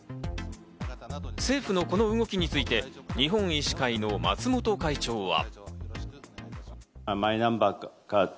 政府のこの動きについて、日本医師会の松本会長は。